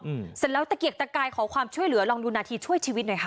อืมเสร็จแล้วตะเกียกตะกายขอความช่วยเหลือลองดูนาทีช่วยชีวิตหน่อยค่ะ